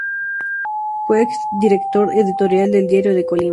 Fue exdirector editorial del Diario de Colima.